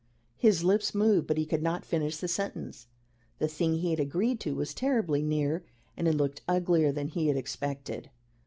His lips moved, but he could not finish the sentence. The Thing he had agreed to was terribly near, and it looked uglier than he had expected.